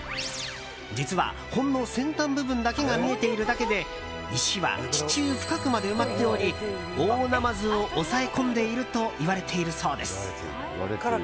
実は、ほんの先端部分だけが見えているだけで石は地中深くまで埋まっており大ナマズを押さえ込んでいるといわれているそうです。